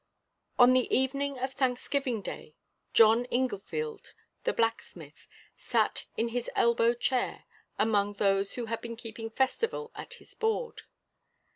On the evening of Thanksgiving Day, John Inglefield, the blacksmith, sat in his elbow chair among those who had been keeping festival at his board.